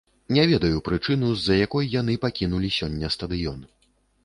Не ведаю прычыну, з-за якой яны пакінулі сёння стадыён.